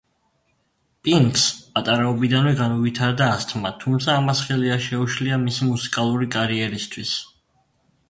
პინკს პატარაობიდანვე განუვითარდა ასთმა, თუმცა ამას ხელი არ შეუშლია მისი მუსიკალური კარიერისთვის.